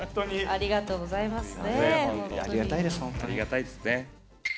ありがたいですね。